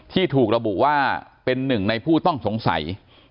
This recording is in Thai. ที่ถูกระบุว่าเป็นหนึ่งในผู้ต้องสงสัย